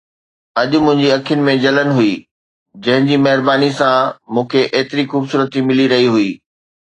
اڄ منهنجي اکين ۾ جلن هئي، جنهن جي مهربانيءَ سان مون کي ايتري خوبصورتي ملي رهي هئي